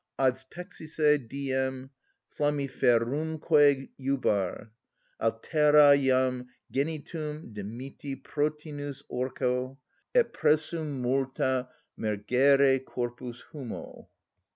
_ Adspexisse diem, flammiferumque jubar. Altera jam genitum demitti protinus Orco, _Et pressum multa mergere corpus humo.